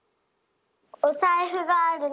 おさいふがあるの。